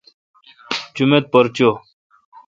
جمیت پر چو۔